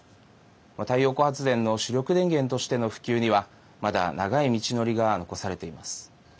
太陽光発電の主力電源としての普及にはまだ長い道のりが残されています。